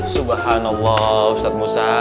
subhanallah ustadz musa